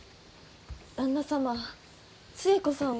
旦那様寿恵子さんは。